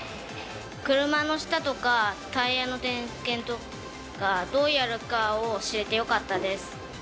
車の下とか、タイヤの点検とか、どうやるかを知れてよかったです。